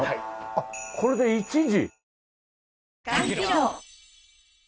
あっこれで一字。